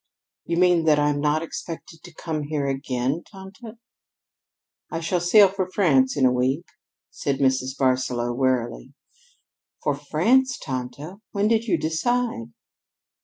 "You mean that I'm not expected to come here again, tante?" "I shall sail for France in a week," said Mrs. Barsaloux wearily. "For France, tante? When did you decide?"